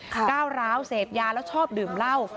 ก้าวร้าวเสพยาแล้วชอบดื่มเหล้า